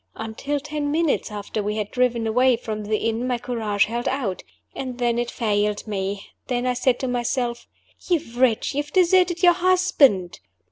Until ten minutes after we had driven away from the inn my courage held out and then it failed me; then I said to myself, "You wretch, you have deserted your husband!"